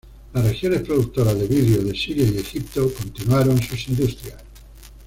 Las regiones productoras de vidrio de Siria y Egipto continuaron sus industrias.